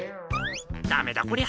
ダメだこりゃ。